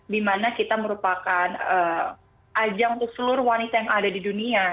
dimana kita merupakan ajang untuk seluruh wanita yang ada di dunia